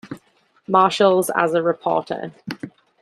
Marshals as a reporter.